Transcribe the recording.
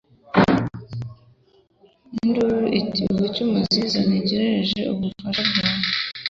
induru ati Vulcan Nziza Ntegereje ubufasha bwawe